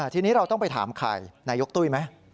ทีนี้เราต้องไปถามใครนายกตุ้ยไหม